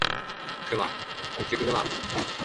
ホッキョクグマ